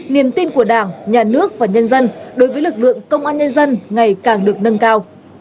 niềm tin của đảng nhà nước và nhân dân đối với lực lượng công an nhân dân ngày càng được nâng cao